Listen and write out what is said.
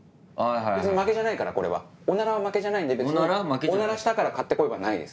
別に負けじゃないからこれはおならは負けじゃないんでおならしたから買って来いはないです。